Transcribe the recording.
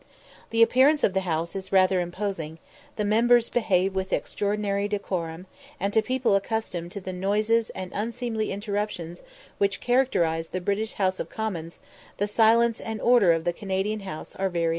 The appearance of the House is rather imposing; the members behave with extraordinary decorum; and to people accustomed to the noises and unseemly interruptions which characterise the British House of Commons, the silence and order of the Canadian House are very agreeable.